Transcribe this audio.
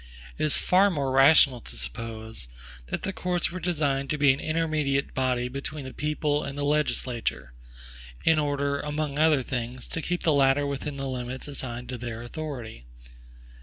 It is far more rational to suppose, that the courts were designed to be an intermediate body between the people and the legislature, in order, among other things, to keep the latter within the limits assigned to their authority.